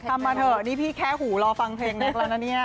ทำมาเถอะนี่พี่แค่หูรอฟังเพลงนักแล้วนะ